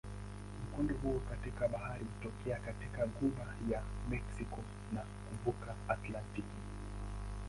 Mkondo huu katika bahari hutokea katika ghuba ya Meksiko na kuvuka Atlantiki.